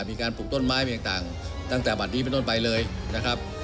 ปลูกต้นไม้ต่างตั้งแต่บัตรนี้เป็นต้นไปเลยนะครับ